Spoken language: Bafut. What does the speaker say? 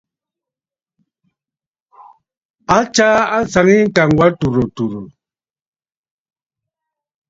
A tsaa àŋsaŋ yî ŋ̀kàŋ wà tùrə̀ tùrə̀.